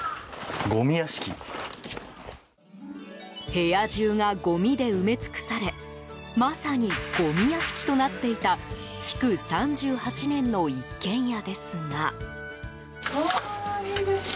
部屋中がごみで埋め尽くされまさに、ごみ屋敷となっていた築３８年の一軒家ですが。